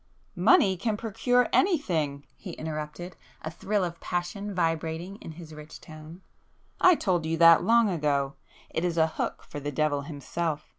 "Money can procure anything!"—he interrupted, a thrill of passion vibrating in his rich voice,—"I told you that long ago. It is a hook for the devil himself.